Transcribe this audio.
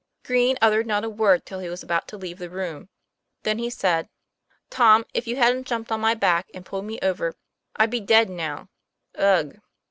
Green uttered not a word till he was about to leave the room. Then he said: 'Tom, if you hadn't jumped on my back and pulled me over, I'd be dead now. Ugh!"